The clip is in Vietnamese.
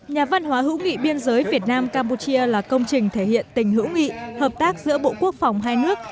nhà văn hóa hữu nghị biên giới việt nam campuchia là công trình thể hiện tình hữu nghị hợp tác giữa bộ quốc phòng hai nước